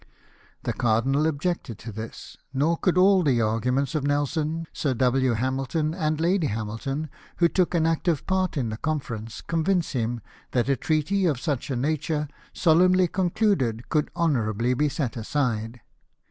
The cardinal objected to this, nor could all the arguments of Nelson, Sir W. Hamilton, and Lady Hamilton, who took an active part in the conference, convince him that a treaty of such a nature, solemnly concluded, could honourably be set aside.